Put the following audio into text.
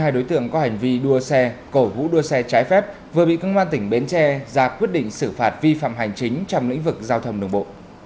ba mươi hai đối tượng có hành vi đua xe cổ vũ đua xe trái phép vừa bị công an tỉnh bến tre ra quyết định xử phạt vi phạm hành chính trong lĩnh vực giao thâm đồng bộ